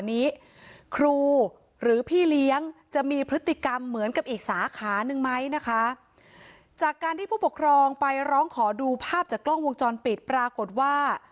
นี้ครูหรือพี่เลี้ยงจะมีพฤติกรรมเหมือนกับอีกสาขาหนึ่งไหมนะคะจากการที่ผู้ปกครองไปร้องขอดูภาพจากกล้องวงจรปิดปรากฏว่า